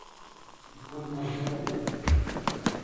E quanto mais breve melhor.